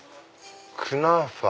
「クナーファ」。